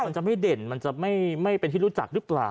มันจะไม่เด่นมันจะไม่เป็นที่รู้จักหรือเปล่า